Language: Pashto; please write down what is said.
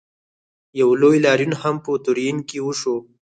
یو لوی لاریون هم په تورین کې وشو.